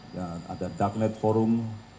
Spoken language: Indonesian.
yang ada darknet forum